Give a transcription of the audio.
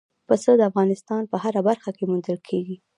پسه د افغانستان په هره برخه کې موندل کېږي.